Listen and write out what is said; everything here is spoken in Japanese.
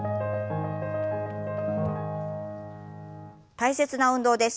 大切な運動です。